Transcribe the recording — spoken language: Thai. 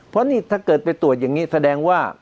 เพราะนี่ถ้าเกิดไปตรวจอย่างนี้แสดงว่า